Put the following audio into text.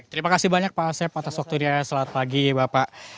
terima kasih banyak pak asep atas waktunya selamat pagi bapak